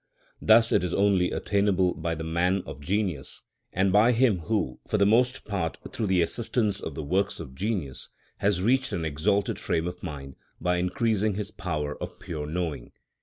Thus it is only attainable by the man of genius, and by him who, for the most part through the assistance of the works of genius, has reached an exalted frame of mind, by increasing his power of pure knowing.